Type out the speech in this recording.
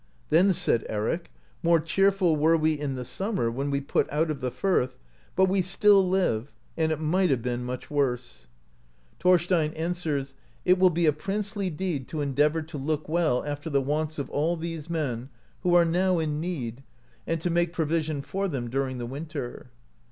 Then said Eric, "More cheerful w^ere we in the summer, w^hen we put out of the firth, but we still live, and it might have been much worse." Thorstein 5 43 AMERICA DISCOVERED BY NORSEMEN answers, "It will be a princely deed to endeavour to look well after the wants of all these men who are now in need, and to make provision for them during the win ter."